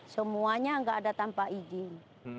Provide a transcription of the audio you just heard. semuanya nggak ada tanpa izin